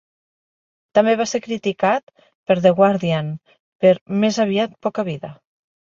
També va ser criticat per "The Guardian" per "més aviat poca vida".